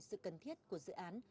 sự cần thiết của dự án